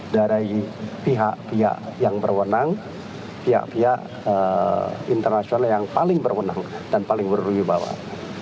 dari pihak pihak yang berwenang pihak pihak internasional yang paling berwenang dan paling berwibawah